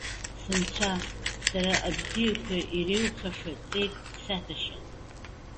Сынцәа! Сара абзиақәа иреиуахаша ҵеик дсаҭәашьа!